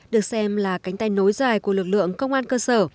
được xem là cánh tay nối dài của lực lượng công an cơ sở